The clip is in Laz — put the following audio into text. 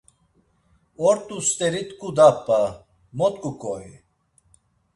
Ort̆u st̆eri t̆ǩu da p̌a, mo t̆ǩuǩoi!